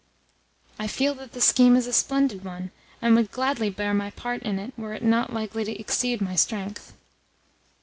"I feel that the scheme is a splendid one, and would gladly bear my part in it were it not likely to exceed my strength."